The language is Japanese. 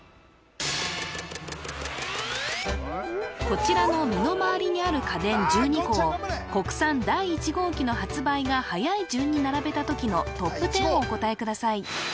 こちらの身の回りにある家電１２個を国産第１号機の発売がはやい順に並べた時のトップ１０をお答えください